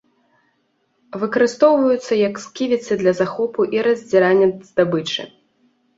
Выкарыстоўваюцца як сківіцы для захопу і раздзірання здабычы.